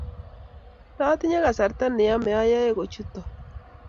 tatinye kasarta ne yemei ayai kuchutok